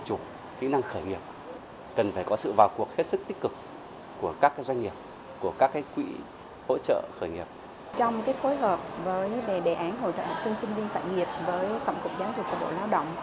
trong phối hợp với đề án hỗ trợ học sinh sinh viên khởi nghiệp với tổng cục giáo dục bộ lao động